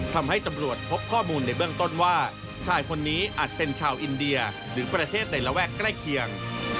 ทำให้ตำรวจพบข้อมูลในเบื้องต้นว่าชายคนนี้อาจเป็นชาวอินเดียหรือประเทศในระแวกใกล้เคียง